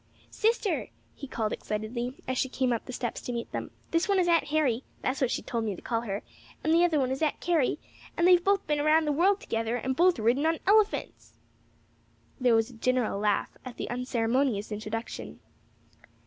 "Sister!" he called, excitedly, as she came up the steps to meet them; "this one is Aunt Harry that's what she told me to call her and the other one is Aunt Carrie; and they've both been around the world together, and both ridden on elephants." There was a general laugh at the unceremonious introduction.